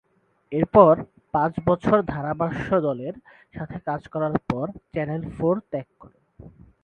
এরপর পাঁচ বছর ধারাভাষ্য দলের সাথে কাজ করার পর চ্যানেল ফোর ত্যাগ করেন।